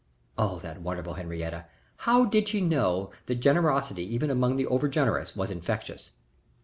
Oh, that wonderful Henriette! How did she know that generosity even among the overgenerous was infectious?